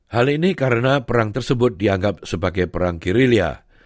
hal ini karena perang tersebut dianggap sebagai perang kirilia